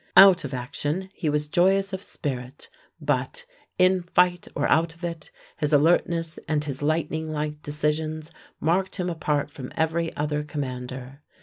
Out of action he was joyous of spirit, but, in fight or out of it, his alertness and his lightning like decisions marked him apart from every other commander.